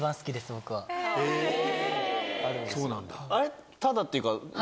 あれタダっていうか。